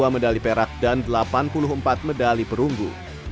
dua puluh medali perak dan delapan puluh empat medali perunggu